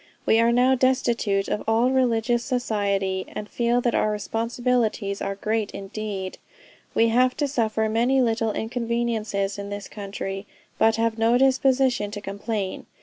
We are now destitute of all religious society, and feel that our responsibilities are great indeed.... We have to suffer many little inconveniences in this country, but have no disposition to complain.